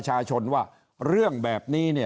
ก็มาเมืองไทยไปประเทศเพื่อนบ้านใกล้เรา